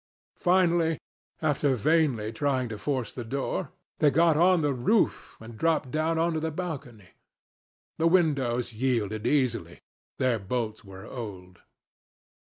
Finally, after vainly trying to force the door, they got on the roof and dropped down on to the balcony. The windows yielded easily—their bolts were old.